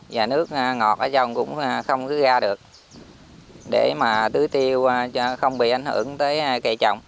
và nước ngọt ở dân cũng không cứ ra được để mà tưới tiêu không bị ảnh hưởng tới cây trồng